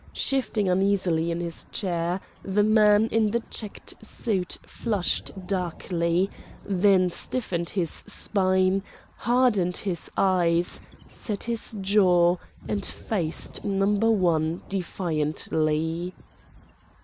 Shifting uneasily in his chair, the man in the checked suit flushed darkly, then stiffened his spine, hardened his eyes, set his jaw, and faced Number One defiantly.